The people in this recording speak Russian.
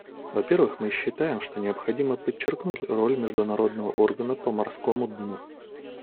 Во-первых, мы считаем, что необходимо подчеркнуть роль Международного органа по морскому дну.